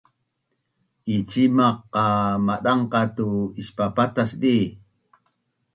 Icimaq qa madangqac tu ispapatas di?